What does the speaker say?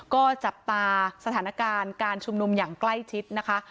ก็จับตาสถานการณ์การชุมนุมอย่างใกล้ชิดนะคะ